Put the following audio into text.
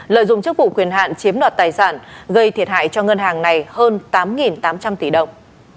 lợi dụng chức vụ quyền hạn chiếm đoạt tài sản gây thiệt hại cho ngân hàng này hơn tám tám trăm linh tỷ đồng